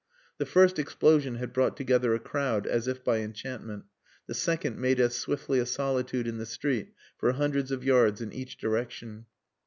The first explosion had brought together a crowd as if by enchantment, the second made as swiftly a solitude in the street for hundreds of yards in each direction.